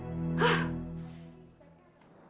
pesek air papi